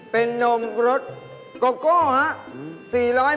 เป็นนมรสโกโกะหรือเปล่า